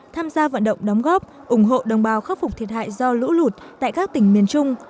tham gia vận động đóng góp ủng hộ đồng bào khắc phục thiệt hại do lũ lụt tại các tỉnh miền trung